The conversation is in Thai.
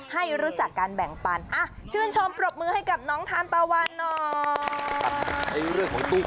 ให้รู้จักการแบ่งปันชื่นชมปรบมือให้กับน้องทานตะวันหน่อย